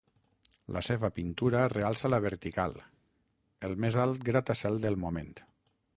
La seva pintura realça la vertical -el més alt gratacel del moment-.